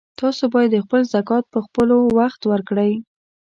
تاسو باید خپل زکات په خپلوخت ورکړئ